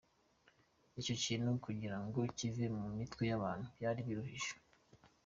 Icyo kintu kugira ngo kive mu mitwe y’abantu byari biruhije.